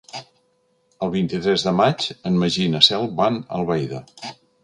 El vint-i-tres de maig en Magí i na Cel van a Albaida.